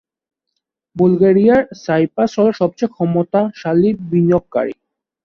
বুলগেরিয়ায় Cyprus হলো সবচেয়ে ক্ষমতাশালী বিনিযৈাগকারী।